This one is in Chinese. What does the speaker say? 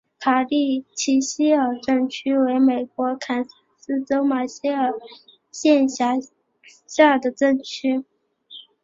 卡蒂奇希尔镇区为美国堪萨斯州马歇尔县辖下的镇区。